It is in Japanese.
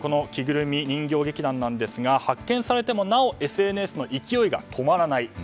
着ぐるみ人形劇団なんですが発見されてもなおＳＮＳの勢いが止まらない。